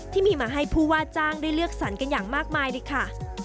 ที่มีมาให้ผู้ว่าจ้างได้เลือกสรรกันอย่างมากมายเลยค่ะ